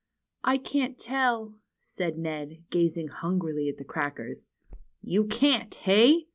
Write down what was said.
I can't tell," said Ned, gazing hungrily at the crackers. ^^You can't, hey?